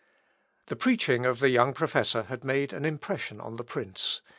The preaching of the young professor had made an impression on the prince.